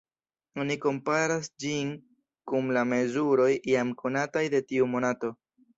Oni komparas ĝin kun la mezuroj jam konataj de tiu monato.